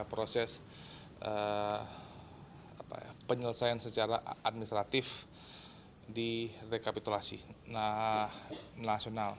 proses penyelesaian secara administratif di rekapitulasi nasional